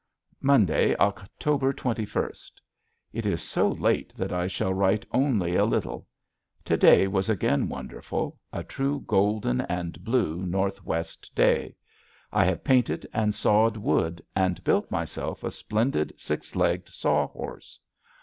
Monday, October twenty first. It is so late that I shall write only a little. To day was again wonderful, a true golden and blue northwest day. I have painted and sawed wood, and built myself a splendid six legged saw horse.